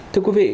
thưa quý vị